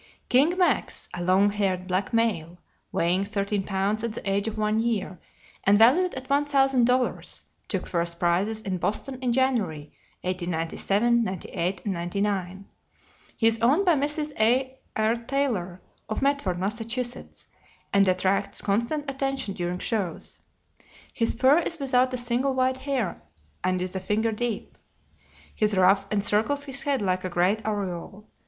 King Max, a long haired, black male, weighing thirteen pounds at the age of one year, and valued at one thousand dollars, took first prizes in Boston in January, 1897, '98, and '99. He is owned by Mrs. E.R. Taylor, of Medford, Mass., and attracts constant attention during shows. His fur is without a single white hair and is a finger deep; his ruff encircles his head like a great aureole.